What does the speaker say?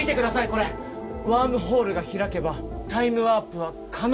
これ「ワームホールが開けばタイムワープは可能」